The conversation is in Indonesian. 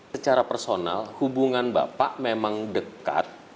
secara personal hubungan bapak memang dekat